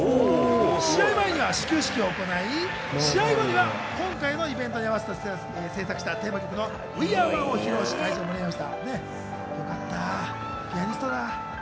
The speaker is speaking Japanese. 試合前には始球式を行い、試合後には今回のイベントに合わせて制作したテーマ曲の『ＷＥＡＲＥＯＮＥ』を披露し、会場を盛り上げました。